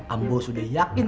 ambo sudah yakin